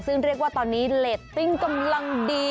ซึ่งเรียกว่าตอนนี้เลตติ้งกำลังดี